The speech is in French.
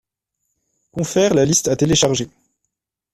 Confer la liste à télécharger.